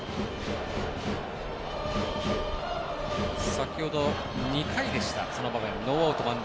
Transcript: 先ほど２回その場面、ノーアウト、満塁